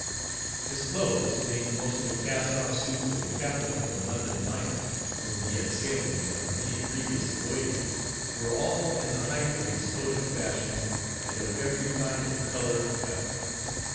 His clothes, being mostly cast off suits of the captain of a London liner, whom he had sailed with upon many previous voyages, were all in the height of the exploded fashions, and of every kind of color and cut.